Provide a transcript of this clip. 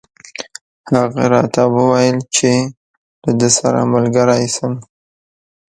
هغه راته وویل چې له ده سره ملګری شم.